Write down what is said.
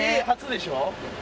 Ｊ初でしょ？